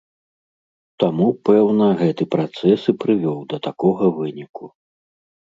Таму, пэўна, гэты працэс і прывёў да такога выніку.